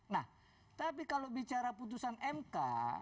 nah tapi kalau bicara putusan mk